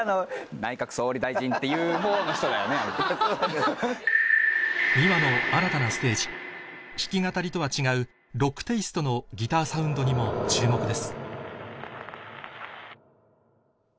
ｍｉｗａ の新たなステージ弾き語りとは違うロックテイストのギターサウンドにも注目です